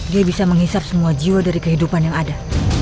dia bisa menghisap semua jiwa dari kehidupan yang ada